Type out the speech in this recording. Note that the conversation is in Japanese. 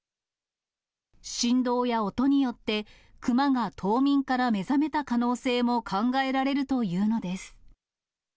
振動や音によって、熊が冬眠から目覚めた可能性も考えられるというのです。